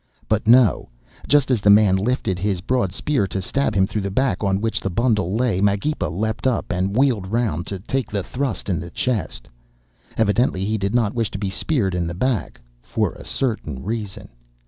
"But no! Just as the first man lifted his broad spear to stab him through the back on which the bundle lay, Magepa leapt up and wheeled round to take the thrust in the chest. Evidently he did not wish to be speared in the back—for a certain reason.